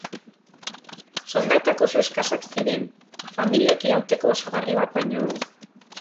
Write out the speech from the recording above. Soldatak oso eskasak ziren, familiak irauteko osagarri bat baino ez.